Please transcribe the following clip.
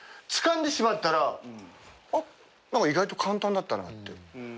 つかんでしまったら何か意外と簡単だったなって。